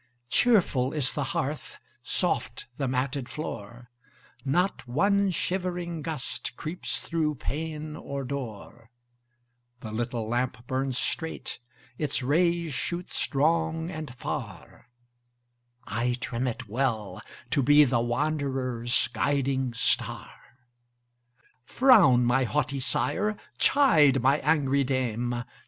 Cheerful is the hearth, soft the matted floor; Not one shivering gust creeps through pane or door; The little lamp burns straight, its rays shoot strong and far: I trim it well, to be the wanderer's guiding star. Frown, my haughty sire! chide, my angry dame!